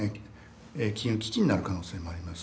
金融危機になる可能性もあります。